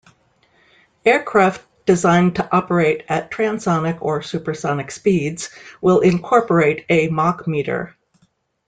Aircraft designed to operate at transonic or supersonic speeds will incorporate a machmeter.